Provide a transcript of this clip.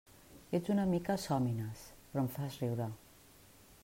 Ets una mica sòmines, però em fas riure.